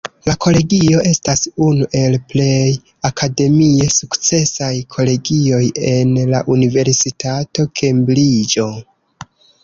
La Kolegio estas unu el plej akademie sukcesaj kolegioj en la Universitato Kembriĝo.